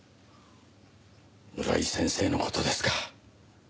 村井先生の事ですか。